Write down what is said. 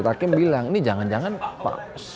hakim bilang ini jangan jangan pak